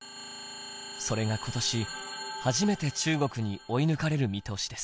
それが今年初めて中国に追い抜かれる見通しです。